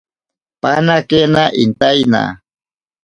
Panakena intaina.